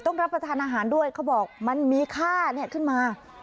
รับประทานอาหารด้วยเขาบอกมันมีค่าขึ้นมา